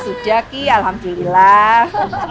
sudah ki alhamdulillah